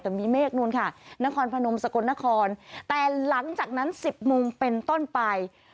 แต่มีเมฆนู่นค่ะนครพนมสกลนครแต่หลังจากนั้น๑๐โมงเป็นต้นไป